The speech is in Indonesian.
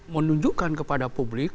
menunjukkan kepada publik